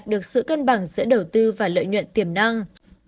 để đạt được sự cân bằng giữa đầu tư và lợi nhuận tiềm năng